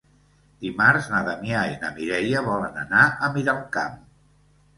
Dimarts na Damià i na Mireia volen anar a Miralcamp.